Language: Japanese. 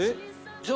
じゃあ。